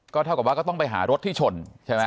เท่ากับว่าก็ต้องไปหารถที่ชนใช่ไหม